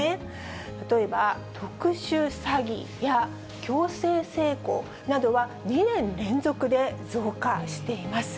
例えば特殊詐欺や強制性交などは、２年連続で増加しています。